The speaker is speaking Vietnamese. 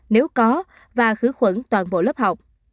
nếu có và khứ khuẩn toàn bộ lớp học